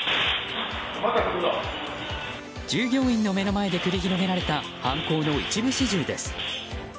従業員の目の前で繰り広げられた犯行の一部始終です。